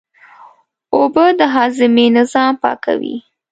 اوبه د هاضمې نظام پاکوي